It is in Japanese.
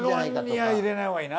ご飯には入れないほうがいいな。